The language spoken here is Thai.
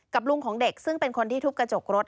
ลุงของเด็กซึ่งเป็นคนที่ทุบกระจกรถ